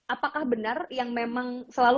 apakah benar yang memang selalu